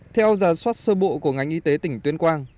theo giả soát sơ bộ của ngành y tế tỉnh tuyên quang